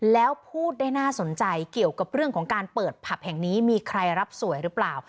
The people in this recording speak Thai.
แล้วพูดได้น่าสนใจเกี่ยวกับเรื่องของการเปิดผับแห่งนี้มีใครรับสวยหรือเปล่า